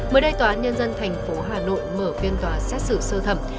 mới đây tòa án nhân dân tp hà nội mở phiên tòa xét xử sơ thẩm